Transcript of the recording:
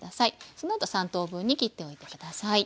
そのあとは３等分に切っておいて下さい。